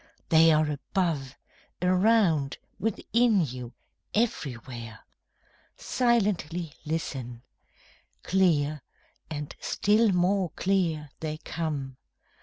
They are above, around, within you, everywhere. Silently listen! Clear, and still more clear, they come.